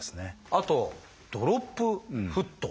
あと「ドロップフット」。